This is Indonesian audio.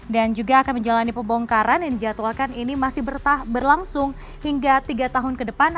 dan juga akan menjalani pembongkaran yang dijadwalkan ini masih berlangsung hingga tiga tahun kedepan